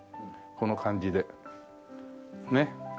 この感じでねえ。